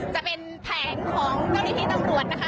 จะเป็นแผงของเจ้าหน้าที่ตำรวจนะคะ